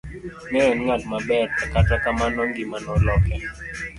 Ne en ng'at maber to kata kamano ngima noloke.